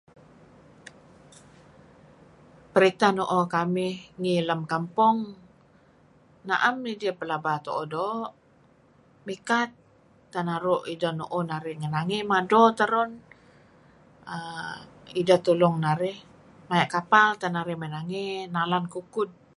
Printeh nuuh kamih ngi lem kampong naem idih pelaba tuuh doo' mikat teh nuru' ideh nuuh narih ngi nangey mado teron. uhm ideh tulung narih maya' kapal teh narih may nangey. Maya' kukud.